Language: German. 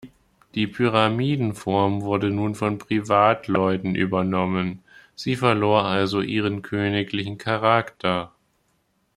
Die Pyramidenform wurde nun von Privatleuten übernommen; sie verlor also ihren königlichen Charakter.